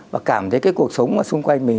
và cảm thấy cuộc sống xung quanh mình